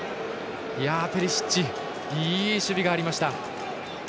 ペリシッチいい守備がありました。